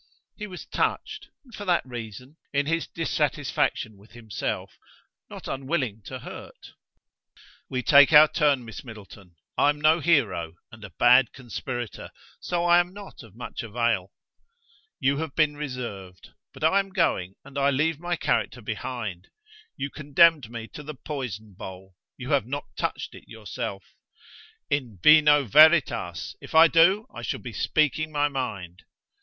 He was touched, and for that reason, in his dissatisfaction with himself, not unwilling to hurt. "We take our turn, Miss Middleton. I'm no hero, and a bad conspirator, so I am not of much avail." "You have been reserved but I am going, and I leave my character behind. You condemned me to the poison bowl; you have not touched it yourself" "In vino veritas: if I do I shall be speaking my mind."